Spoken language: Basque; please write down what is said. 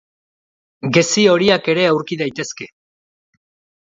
Gezi horiak ere aurki daitezke.